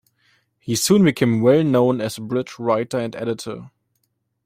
He soon became well known as a bridge writer and editor.